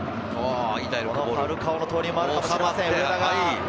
ファルカオの投入もあるかもしれません。